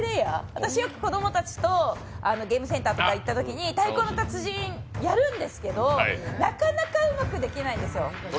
私よく子供たちとゲームセンターとか行ったときに「太鼓の達人」やるんですけどなかなかうまくできないんですよ。